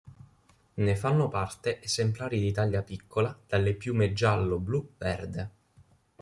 Ne fanno parte esemplari di taglia piccola dalle piume giallo-blu-verde.